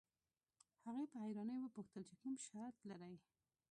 هغې په حيرانۍ وپوښتل چې کوم شرط لرئ.